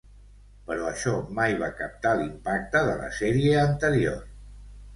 Però això mai va captar l'impacte de la sèrie anterior.